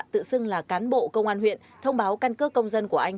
tự xưng là cán bộ công an huyện thông báo căn cơ công dân của anh